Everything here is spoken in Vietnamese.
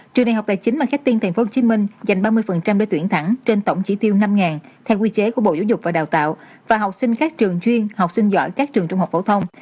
trường đại học đại chính mà khách tiên tp hcm dành ba mươi để tuyển thẳng trên tổng chỉ tiêu năm theo quy chế của bộ giáo dục và đào tạo và học sinh khác trường chuyên học sinh giỏi các trường trung học phổ thông